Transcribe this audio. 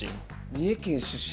三重県出身？